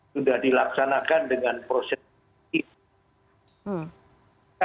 sudah dilaksanakan dengan proses